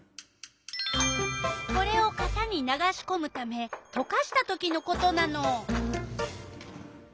これをかたに流しこむためとかしたときのことなの。